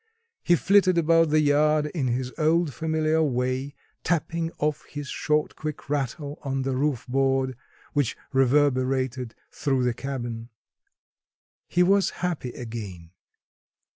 He flitted about the yard in his old familiar way, tapping off his short quick rattle on the roof board which reverberated through the cabin. He was happy again.